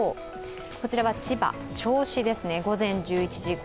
こちらは千葉・銚子ですね、午前１１時頃。